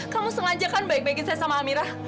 kamu sengaja kan baik baikin saya sama almira